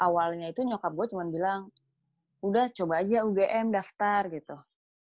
awalnya itu nyokap gue cuma bilang udah coba aja ugm daftar gitu